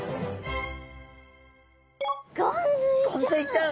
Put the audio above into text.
ゴンズイちゃん！